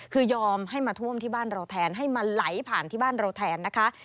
คือยอมให้มาท่วมที่บ้านเราแทนให้มันไหลผ่านที่บ้านเราแทนนะคะ